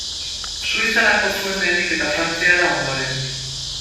Suitzara jo zuen lehenik eta Frantziara ondoren.